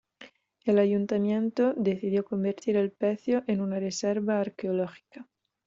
El ayuntamiento decidió convertir el pecio en una reserva arqueológica.